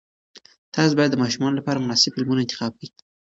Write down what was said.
تاسې باید د ماشومانو لپاره مناسب فلمونه انتخاب کړئ.